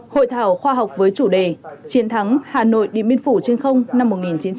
hội thảo khoa học với chủ đề chiến thắng hà nội điện biên phủ trên không năm một nghìn chín trăm bảy mươi năm